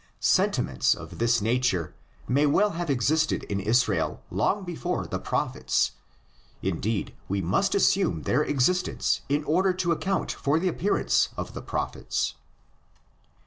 Sentiments of this nature may well have existed in Israel long before the "Prophets," indeed we must assume their existence in order to account for the appearance of the "Prophets."